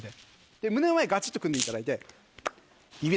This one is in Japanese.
で胸の前にがちっと組んでいただいて。